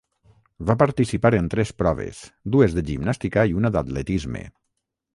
Va participar en tres proves, dues de gimnàstica i una d'atletisme.